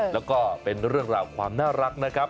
แล้วก็เป็นเรื่องราวความน่ารักนะครับ